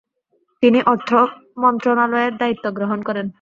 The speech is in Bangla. তিনি অর্থমন্ত্রণালয়ের দায়িত্ব গ্রহণ করেন।